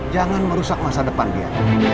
jangan merusak masa depan dia